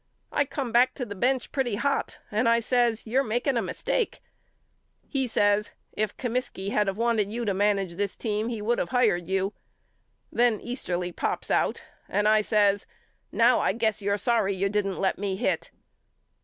I come back to the bench pretty hot and I says You're making a mistake. He says If Comiskey had wanted you to manage this team he would of hired you. Then Easterly pops out and I says Now I guess you're sorry you didn't let me hit.